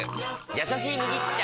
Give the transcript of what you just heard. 「やさしい麦茶」！